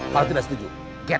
kalau tidak setuju get out